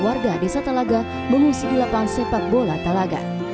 warga desa talaga mengungsi di lapangan sepak bola talaga